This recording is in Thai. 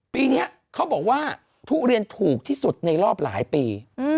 ปีนี้เขาบอกว่าทุเรียนถูกที่สุดในรอบหลายปี